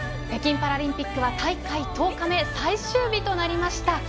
北京パラリンピック大会１０日目最終日となりました。